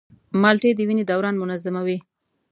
مالټې د وینې دوران منظموي.